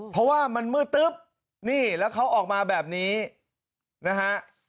เพราะว่ามันมืดตึ๊บนี่แล้วเขาออกมาแบบนี้นะฮะ